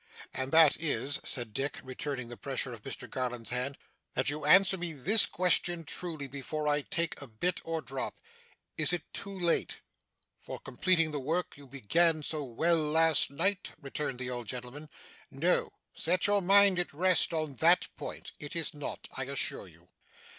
'And that is,' said Dick, returning the pressure of Mr Garland's hand, 'that you answer me this question truly, before I take a bit or drop. Is it too late?' 'For completing the work you began so well last night?' returned the old gentleman. 'No. Set your mind at rest on that point. It is not, I assure you.